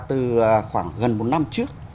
từ khoảng gần một năm trước